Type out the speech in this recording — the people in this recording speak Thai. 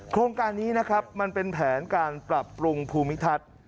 โครงการนี้นะครับมันเป็นแผนการปรับปรุงภูมิทัศน์